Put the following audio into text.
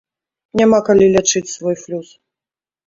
Няма калі лячыць свой флюс.